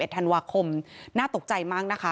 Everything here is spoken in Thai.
ธันวาคมน่าตกใจมากนะคะ